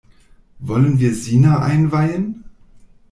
Wollen wir Sina einweihen?